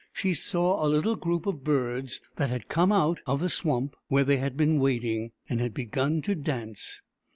She saw a little group of birds that had come out of the swamp, where they had been wading, and had begun to dance.